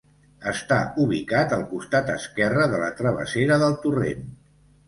Està ubicat al costat esquerre de la travessera del Torrent.